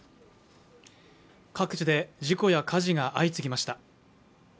各地で事故や火事が相次ぎました。